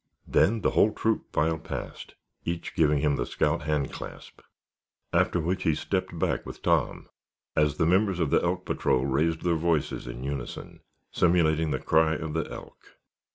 Then the whole troop filed past, each giving him the scout hand clasp, after which he stepped back with Tom as the members of the Elk Patrol raised their voices in unison, simulating the cry of the elk.